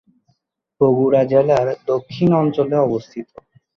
বগুড়া জেলার দক্ষিণ অঞ্চলে অবস্থিত।